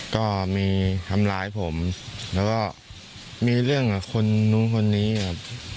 ก็มีธรรมดาให้ผมแล้วก็มีเรื่องกับคนนู้นคนนี้อะ